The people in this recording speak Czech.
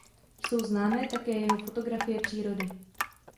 Jsou známé také jeho fotografie přírody.